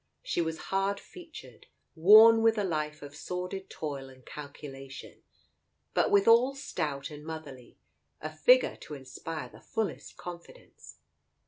She was hard featured, worn with a life of sordid toil and calculation, but withal stout and motherly, a figure to inspire the fullest confidence.